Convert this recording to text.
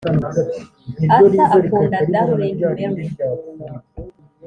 arthur akunda darling mary.